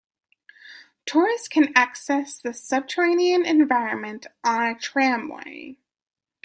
Tourists can access the subterranean environment on a tramway.